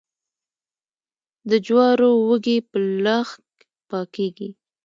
د جوارو وږي په لښک پاکیږي.